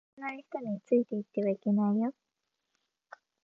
知らない人についていってはいけないよ